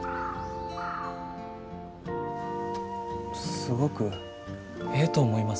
すごくええと思います。